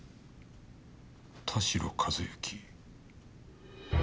田代和行。